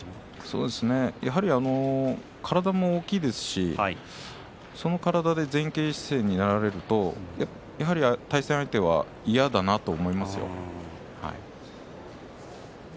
やはり体も大きいですしその体で前傾姿勢になられると対戦相手は嫌だなと思いますよ。